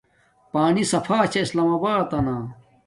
پانی صافا چھا اسلام آباتنا